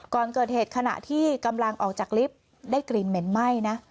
ก่อนเกิดเหตุขณะที่กำลังออกจากลิฟต์ได้กลิ่นเหม็นไหม้นะ